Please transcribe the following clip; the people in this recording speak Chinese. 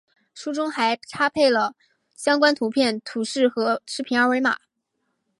书中还配插了相关图片、图示和视频二维码